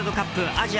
アジア